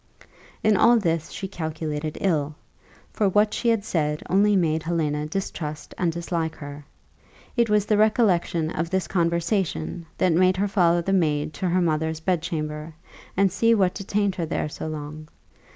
In all this she calculated ill; for what she had said only made Helena distrust and dislike her. It was the recollection of this conversation that made her follow the maid to her mother's bedchamber, to see what detained her there so long.